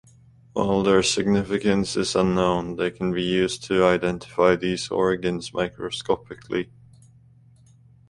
While their significance is unknown, they can be used to identify these organs microscopically.